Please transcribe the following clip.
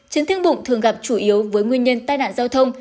chấn thương bụng thường gặp chủ yếu với nguyên nhân tai nạn giao thông